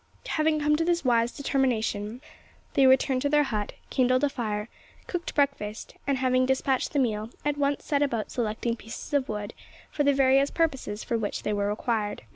Having come to this wise determination, they returned to their hut; kindled a fire; cooked breakfast; and having despatched the meal, at once set about selecting pieces of wood for the various purposes for which they were required.